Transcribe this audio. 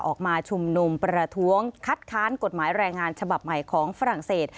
ออกมาชุมนุมประท้วงคัดค้านกฎหมายแรงงานฉบับใหม่ของฝรั่งเศส